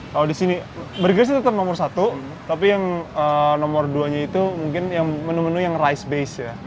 kalau disini burgerin sih tetap nomor satu tapi yang nomor duanya itu mungkin menu menu yang rice base ya